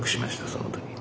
その時に。